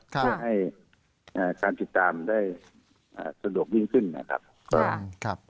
เพื่อให้การติดตามได้สะดวกยิ่งขึ้นนะครับ